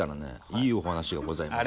いいお話がございます。